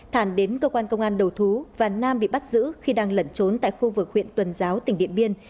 thản đến cơ quan công an đầu thú và nam bị bắt giữ khi đang lẩn trốn tại khu vực huyện tuần giáo tỉnh điện biên